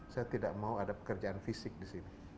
saya tidak mau ada pekerjaan fisik disini